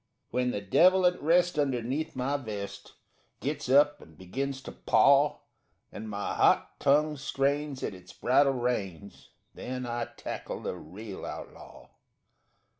_ When the devil at rest underneath my vest Gets up and begins to paw And my hot tongue strains at its bridle reins, Then I tackle the real outlaw.